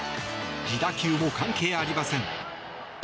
自打球も関係ありません。